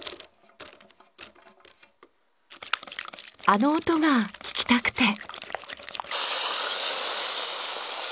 あの音が聞きたくて。